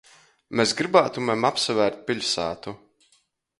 Mes grybātumem apsavērt piļsātu.